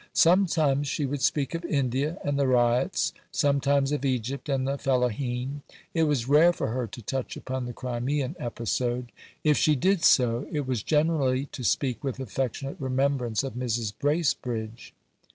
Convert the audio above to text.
Sometimes she would speak of India and the Ryots; sometimes of Egypt and the Fellaheen; it was rare for her to touch upon the Crimean episode: if she did so, it was generally to speak with affectionate remembrance of Mrs. Bracebridge.